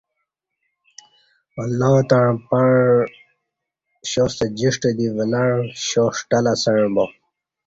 اللہ تݩع پݩع شاستہ جیݜٹ دی ولّاݩع شا ݜٹل اسݩع با